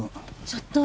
ちょっと！